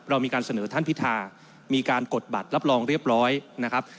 เรามีการเสนอท่านพิธามีการกดบัตรรับรองเรียบร้อยนะครับ